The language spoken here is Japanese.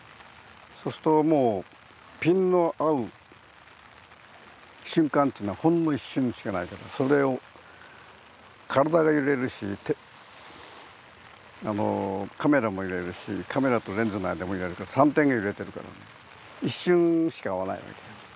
そうするともうピンの合う瞬間っていうのはほんの一瞬しかないからそれを体が揺れるしカメラも揺れるしカメラとレンズの間も揺れるから３点が揺れてるから一瞬しか合わないわけよ。